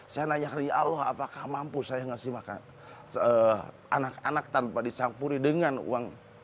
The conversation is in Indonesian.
saya nanya ke allah apakah mampu saya ngasih makan anak anak tanpa disampuri dengan uang